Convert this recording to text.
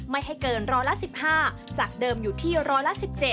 ไม่ให้เกินร้อยละ๑๕จากเดิมอยู่ที่ร้อยละ๑๗